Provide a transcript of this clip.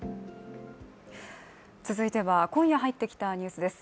続いては、今夜入ってきたニュースです。